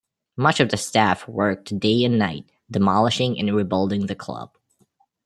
Much of the staff worked day and night demolishing and rebuilding the club.